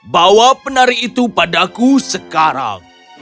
bawa penari itu padaku sekarang